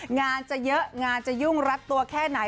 งานจะเยอะงานจะยุ่งรัดตัวแค่ไหน